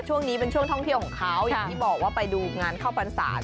ช่วงนี้เป็นช่วงท่องเที่ยวของเขาอย่างที่บอกว่าไปดูงานเข้าพรรษา